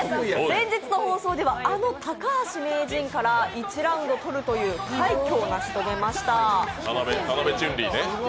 先日の放送では、あの高橋名人から１ラウンド取るという快挙を成し遂げました。